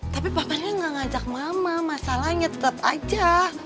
tapi papa kan ga ngajak mama masalahnya tetep aja